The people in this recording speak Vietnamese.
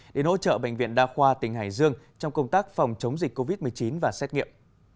đến hỗ trợ bệnh viện đa khoa tỉnh hải dương trong công tác phòng chống dịch covid một mươi chín và xét nghiệm